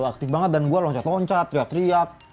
aktif banget dan gue loncat loncat teriak teriak